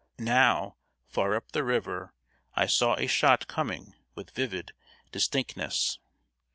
Now, far up the river I saw a shot coming with vivid distinctness.